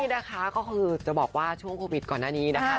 นี่นะคะก็คือจะบอกว่าช่วงโควิดก่อนหน้านี้นะคะ